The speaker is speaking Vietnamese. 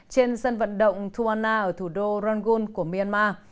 trên sân vận động tuwana ở thủ đô rangoon của myanmar